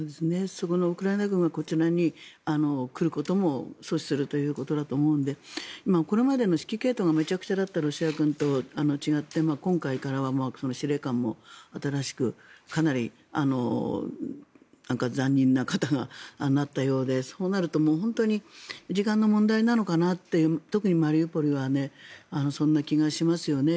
ウクライナ軍はこちらに来ることも阻止するということだと思うのでこれまで指揮系統がめちゃくちゃだったロシア軍と違って、今回からは司令官も新しくかなり残忍な方がなったようでそうなると、本当に時間の問題なのかなって特にマリウポリはそんな気がしますよね。